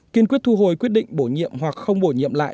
kiên quyết thu hồi quyết định bổ nhiệm hoặc không bổ nhiệm lại